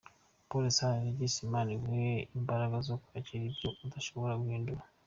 pole sana Regis Imana iguhe imbaraga zo kwakira ibyo udashobora guhindura.